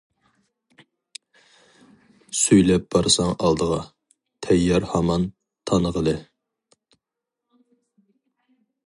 سۈيلەپ بارساڭ ئالدىغا، تەييار ھامان تانغىلى.